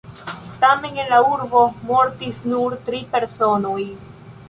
Tamen en la urbo mortis nur tri personoj.